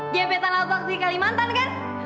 gebetan abak di kalimantan kan